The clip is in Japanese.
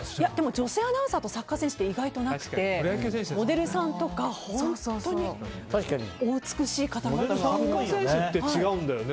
女性アナウンサーとサッカー選手ってあまりなくてモデルさんとか、本当にお美しい方が多いですよね。